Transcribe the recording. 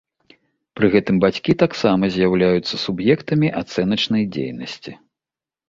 Пры гэтым бацькі таксама з'яўляюцца суб'ектамі ацэначнай дзейнасці.